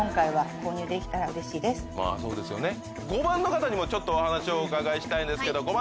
５番の方にもちょっとお話をお伺いしたいんですけど。